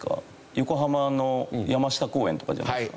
横浜の山下公園とかじゃないですか？